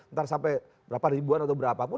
ntar sampai berapa ribuan atau berapa pun